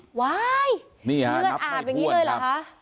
เงือนอาบอย่างนี้เลยเหรอคะ